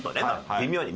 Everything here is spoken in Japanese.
微妙に。